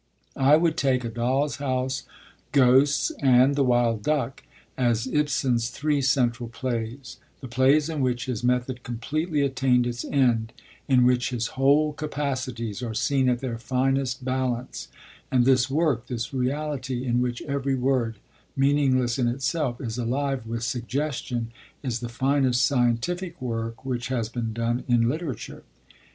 I would take A Doll's House, Ghosts, and The Wild Duck as Ibsen's three central plays, the plays in which his method completely attained its end, in which his whole capacities are seen at their finest balance; and this work, this reality in which every word, meaningless in itself, is alive with suggestion, is the finest scientific work which has been done in literature.